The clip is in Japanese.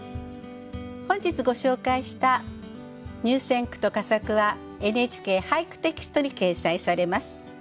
本日ご紹介した入選句と佳作は「ＮＨＫ俳句テキスト」に掲載されます。